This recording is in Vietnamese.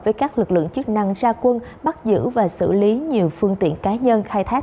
với các lực lượng chức năng ra quân bắt giữ và xử lý nhiều phương tiện cá nhân khai thác